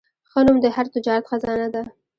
ښه نوم د هر تجارت خزانه ده.